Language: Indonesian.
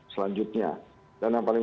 selanjutnya dan yang paling